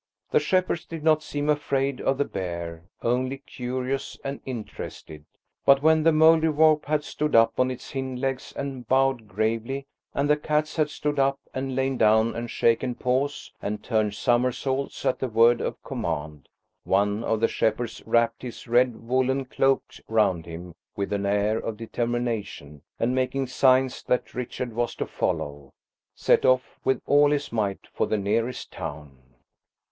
The shepherds did not seem afraid of the bear–only curious and interested; but when the Mouldiwarp had stood up on its hind legs and bowed gravely and the cats had stood up and lain down and shaken paws and turned somersaults at the word of command one of the shepherds wrapped his red woollen cloak round him with an air of determination and, making signs that Richard was to follow, set off with all his might for the nearest town.